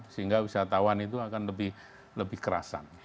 sehingga wisatawan itu akan lebih kerasan